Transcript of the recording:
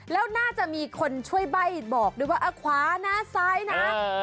แล้วน่าจะมีคนช่วยใบ้บอกด้วยว่าขวานะซ้ายนะ